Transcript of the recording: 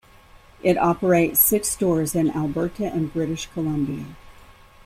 It operates six stores in Alberta and British Columbia.